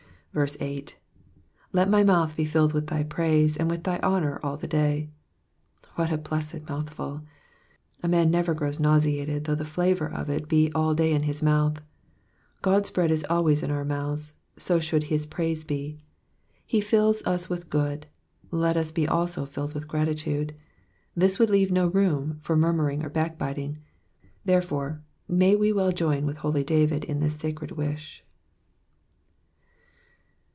8. ^''Let my mouth he filled udth thy praise ami with thy honour all the day." What a blessed mouthful ! A man never grows nauseated though the flavour of it be all day in his mouth. God's bread is always in our mouths, so should his praise be. He fills us with good ; let us be also filled with gratitude. This would leave no room for murmuring or backbiting ; therefore, may we well join with holy David in this sacred wish.